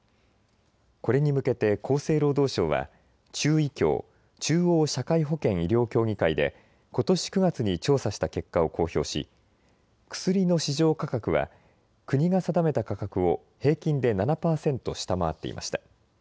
これに向けて厚生労働省は中医協・中医協中央社会保険医療協議会でことし９月に調査した結果を公表し薬の市場価格は国が定めた価格を平均で７％下回っていました。